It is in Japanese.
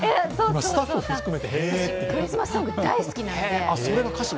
私、クリスマスソング、大好きなんで。